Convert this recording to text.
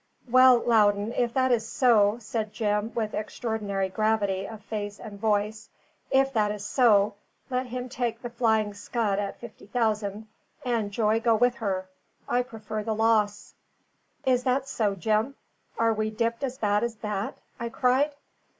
"Well, Loudon, if that is so," said Jim, with extraordinary gravity of face and voice, "if that is so, let him take the Flying Scud at fifty thousand, and joy go with her! I prefer the loss." "Is that so, Jim? Are we dipped as bad as that?" I cried.